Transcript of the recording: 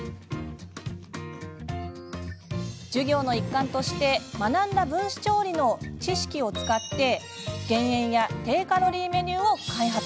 授業の一環として学んだ分子調理の知識を使って減塩や低カロリーメニューを開発。